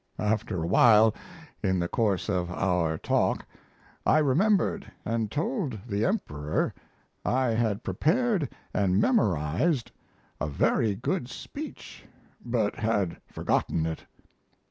After a while, in the course of our talk I remembered and told the Emperor I had prepared and memorized a very good speech but had forgotten it.